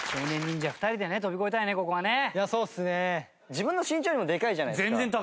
自分の身長よりもでかいじゃないですか。